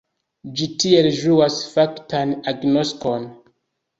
Ĝi tiel ĝuas faktan agnoskon.